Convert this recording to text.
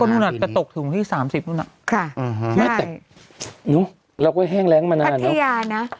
แต่ตกถึงที่สามสิบค่ะอืมฮะใช่นุ้ยเราก็แห้งแรงมานานเนอะพัทยาน่ะ